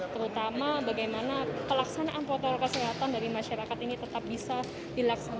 terutama bagaimana pelaksanaan protokol kesehatan dari masyarakat ini tetap bisa dilaksanakan